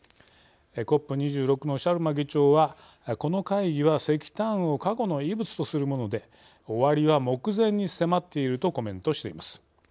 ＣＯＰ２６のシャルマ議長は「この会議は石炭を過去の遺物とするもので終わりは目前に迫っている」とコメントしています。